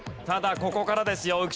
ただここからですよ。